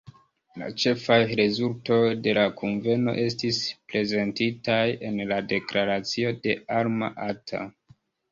La ĉefaj rezultoj de la kunveno estis prezentitaj en la deklaracio de Alma-Ata.